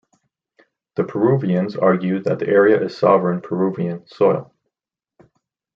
The Peruvians argued that the area is sovereign Peruvian soil.